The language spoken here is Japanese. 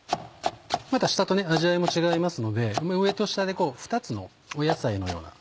また下と味わいも違いますので上と下で２つの野菜のような。